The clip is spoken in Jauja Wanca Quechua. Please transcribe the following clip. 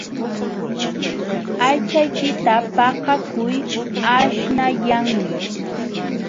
Aychaykita paqakuy aśhnayanmi.